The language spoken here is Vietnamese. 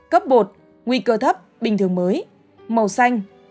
cấp bột nguy cơ thấp bình thường mới màu xanh